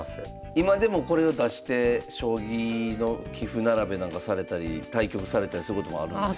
今でもこれを出して将棋の棋譜並べなんかされたり対局されたりすることもあるんですか？